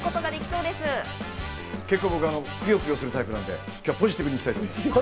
結構、僕、くよくよするタイプなんでポジティブにいきたいと思います。